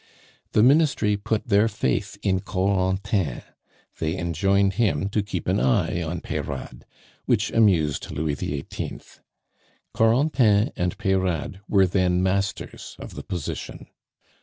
The Ministry put their faith in Corentin; they enjoined him to keep an eye on Peyrade, which amused Louis XVIII. Corentin and Peyrade were then masters of the position.